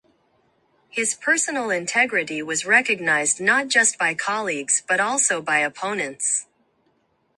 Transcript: His personal integrity was recognised not just by colleagues, but also by opponents.